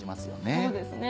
そうですね